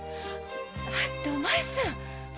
だってお前さん。